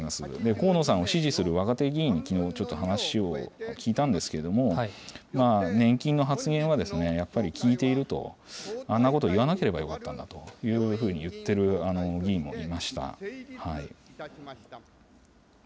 河野さんを支持する若手議員にちょっと話を聞いたんですけれども、年金の発言はやっぱり聞いていると、あんなこと言わなければよかったんだというふうに言ってる議員もいました。